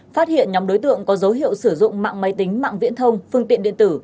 phát hiện nhóm đối tượng có dấu hiệu sử dụng mạng máy tính mạng viễn thông phương tiện điện tử